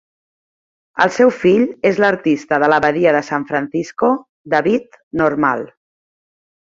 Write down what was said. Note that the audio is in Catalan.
El seu fill és l'artista de la badia de San Francisco, David Normal.